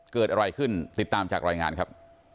เกิดอะไรขึ้นติดตามจากรายงานครับ